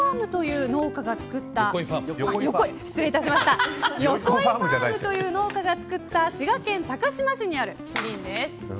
こちら、よこいファームという農家が作った滋賀県高島市にあるプリンです。